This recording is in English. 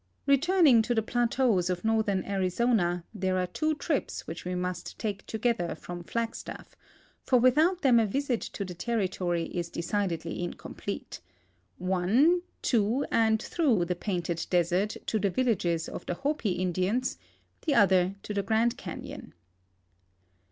Returning to the plateaus of northern Arizona, there are two trips which we must take together from Flagstaff, for without them a visit to the territory is decidedly incomplete — one to aild through the Painted desert to the villages of the Hopi Indians, the other to the Grand Canon.